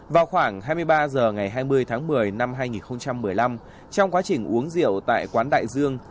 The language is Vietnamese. vào khoảng hai mươi ba h ngày hai mươi tháng một mươi năm hai nghìn một mươi năm trong quá trình uống rượu tại quán đại dương